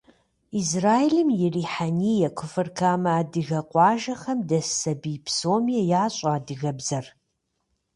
Израилым и Рихьэния, Кфар-Камэ адыгэ къуажэхэм дэс сабий псоми ящӀэ адыгэбзэр.